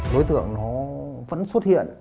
đối tượng nó vẫn xuất hiện